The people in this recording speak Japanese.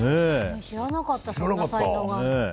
知らなかったこんな才能があるの。